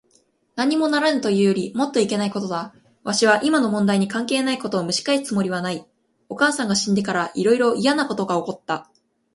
なんにもならぬというよりもっといけないことだ。わしは今の問題に関係ないことをむし返すつもりはない。お母さんが死んでから、いろいろといやなことが起った。